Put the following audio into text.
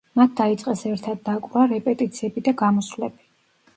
მათ დაიწყეს ერთად დაკვრა, რეპეტიციები და გამოსვლები.